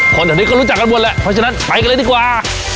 แถวนี้ก็รู้จักกันหมดแหละเพราะฉะนั้นไปกันเลยดีกว่า